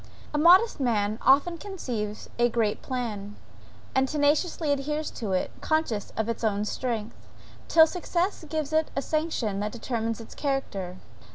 A modest man often conceives a great plan, and tenaciously adheres to it, conscious of his own strength, till success gives it a sanction that determines its character.